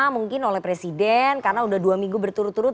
mungkin oleh presiden karena udah dua minggu berturut turut